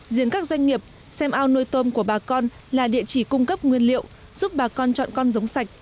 riêng các doanh nghiệp xem ao nuôi tôm của bà con là địa chỉ cung cấp nguyên liệu giúp bà con chọn con giống sạch